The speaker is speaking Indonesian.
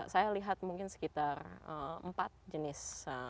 saya lihat mungkin sekitar empat jenis